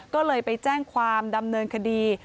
ก็เลยไปแจ้งความดำเนินคดี